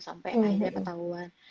sampai akhirnya ketahuan